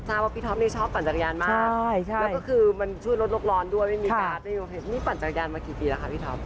ทราบว่าพี่ทอฟนี่ชอบปั่นจักรยานมากใช่ใช่แล้วก็คือมันช่วยลดรกรอนด้วยไม่มีกาสนี่ปั่นจักรยานมากี่ปีแล้วค่ะพี่ทอฟ